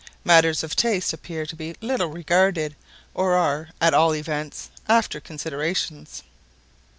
Matters of taste appear to be little regarded, or are, at all events, after considerations.